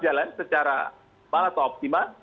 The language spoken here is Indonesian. jalan secara optimal